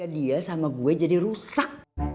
dia sama gue jadi rusak